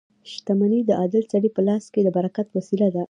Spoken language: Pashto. • شتمني د عادل سړي په لاس کې د برکت وسیله ده.